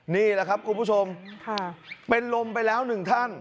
นี่แหละครับคุณผู้ชมเป็นลมไปแล้วหนึ่งท่าน